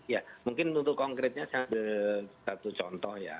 ya mungkin untuk konkretnya saya ambil satu contoh ya